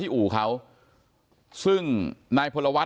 ก็ได้รู้สึกว่ามันกลายเป้าหมาย